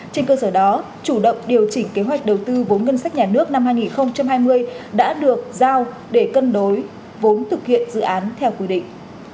trên cơ sở đó chủ động điều chỉnh kế hoạch đầu tư vốn ngân sách nhà nước năm hai nghìn hai mươi đã được giao để cân đối vốn thực hiện dự án theo quy định